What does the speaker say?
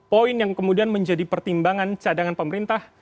poin yang kemudian menjadi pertimbangan cadangan pemerintah